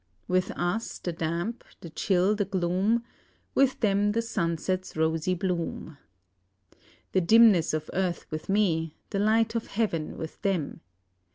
"'With us the damp, the chill, the gloom; With them the sunset's rosy bloom.' "The dimness of earth with me, the light of heaven with them.